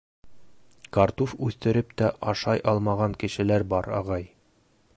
Картуф үҫтереп тә ашай алмаған кешеләр бар, ағай.